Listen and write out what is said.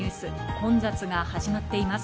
混雑が始まっています。